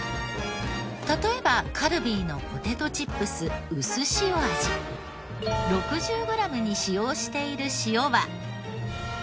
例えばカルビーのポテトチップスうすしお味６０グラムに使用している塩は。